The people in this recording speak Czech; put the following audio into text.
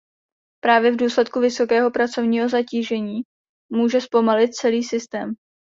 Právě v důsledku vysokého pracovního zatížení může zpomalit celý systém.